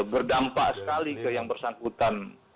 berdampak sekali ke yang bersangkutan